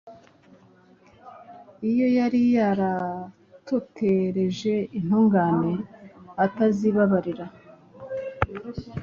iyo yari yaratotereje intungane atazibabarira,